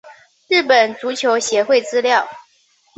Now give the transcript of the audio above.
日本足球协会资料